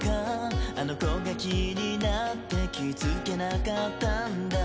「あの子が気になって気づけなかったんだ」